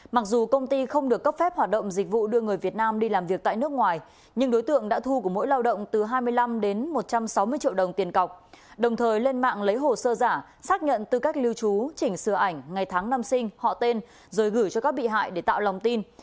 mặc dù công ty không được cấp phép hoạt động dịch vụ đưa người việt nam đi làm việc tại nước ngoài nhưng đối tượng đã thu của mỗi lao động từ hai mươi năm đến một trăm sáu mươi triệu đồng tiền cọc đồng thời lên mạng lấy hồ sơ giả xác nhận tư cách lưu trú chỉnh sửa ảnh ngày tháng năm sinh họ tên rồi gửi cho các bị hại để tạo lòng tin